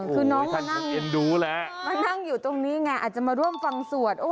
คือน้องมานั่งอยู่ตรงนี้ไงอาจจะมาร่วมฟังสวด